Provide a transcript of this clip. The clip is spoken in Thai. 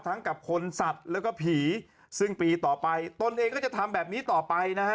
กับคนสัตว์แล้วก็ผีซึ่งปีต่อไปตนเองก็จะทำแบบนี้ต่อไปนะฮะ